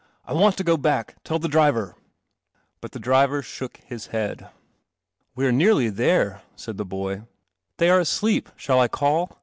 " I want to go back. Tell the driver." But the driver shook his head. " We are nearly there," said the boy. " They are asleep. Shall I call